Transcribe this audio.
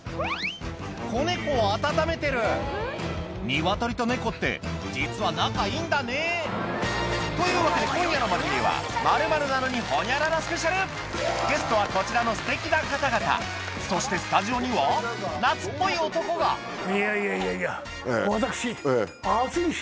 ニワトリと猫って実は仲いいんだねというわけで今夜の『まる見え』はゲストはこちらのすてきな方々そしてスタジオには夏っぽい男がいやいやいやいや私。